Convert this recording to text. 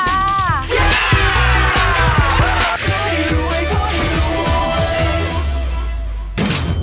รวยรวยรวยรวย